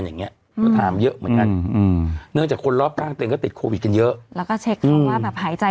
เนื้อจะคนล้อลต้านก็ติดโควิดเยอะ